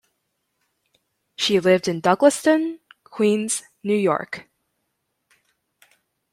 She lived in Douglaston, Queens, New York.